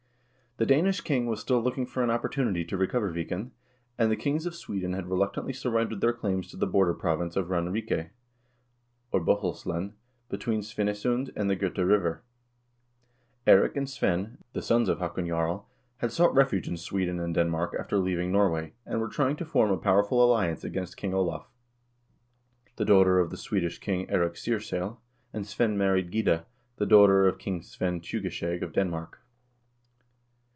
The Danish king was still looking for an opportunity to recover Viken, and the kings of Sweden had reluctantly surrendered their claims to the border province of Ranrike, or Bohuslen, between Svinesund and the Gota River. Eirik and Svein, the sons of Haakon Jarl, had sought refuge in Sweden and Denmark after leaving Nor way, and were trying to form a powerful alliance against King Olav. Svein was engaged to Holmfrid, the daughter of the Swedish king, Eirik Seierssel, and Svein married Gyda, the daughter of King Svein Tjugeskjeg of Denmark.